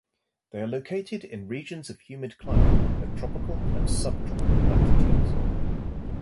They are located in regions of humid climate at tropical and subtropical latitudes.